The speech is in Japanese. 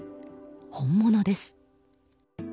本物です。